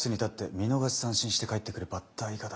見逃し三振して帰ってくるバッター以下だ。